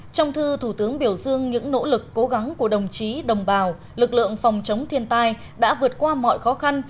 trong thư thủ tướng biểu dương những nỗ lực cố gắng của đồng chí đồng bào lực lượng phòng chống thiên tai đã vượt qua mọi khó khăn